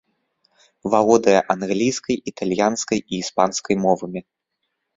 Валодае англійскай, італьянскай і іспанскай мовамі.